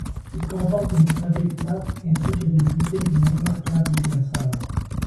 Il comporte une travée plate ainsi que des butées d'une remarquable épaisseur.